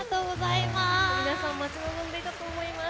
皆さん待ち望んでいたと思います。